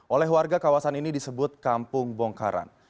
oleh warga kawasan ini disebut kampung bongkaran